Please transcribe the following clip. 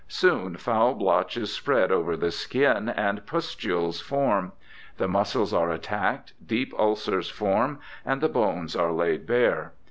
Soon foul blotches spread over the skin and pustules form. The muscles are attacked, deep ulcers form, and the bones are laid bare.